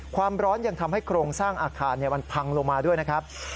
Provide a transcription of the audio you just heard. ความร้อนยังทำให้โครงสร้างอาคารมันพังลงมาด้วยนะครับ